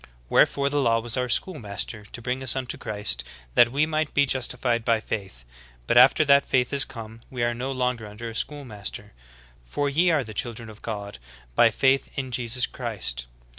Wherefore the law was otir schoolmaster to bring us unto Christ, that we might be justified by faith. But after that faith is come, we are no longer under a schoolmaster. For ye are all the children of God by faith in Jesus Christ.